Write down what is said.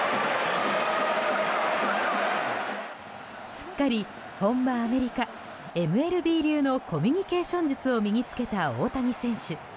すっかり本場アメリカＭＬＢ流のコミュニケーション術を身に着けた大谷選手。